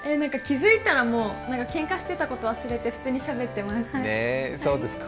気付いたら、もうけんかしてたこと忘れて、普通にしゃべってます。